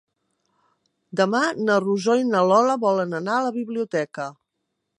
Demà na Rosó i na Lola volen anar a la biblioteca.